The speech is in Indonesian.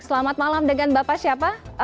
selamat malam dengan bapak siapa